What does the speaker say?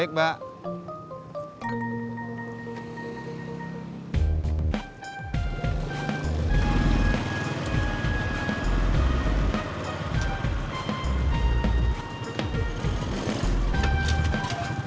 gak gutenang banget pak